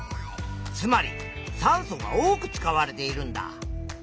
つまり酸素が多く使われているんだ！